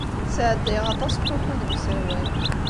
Sɛeddayeɣ aṭas n wakud deg usawal.